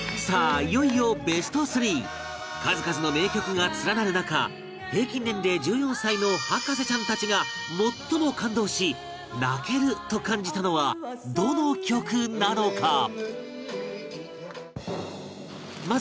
さあ、いよいよベスト３数々の名曲が連なる中平均年齢１４歳の博士ちゃんたちが最も感動し、泣けると感じたのはどの曲なのか？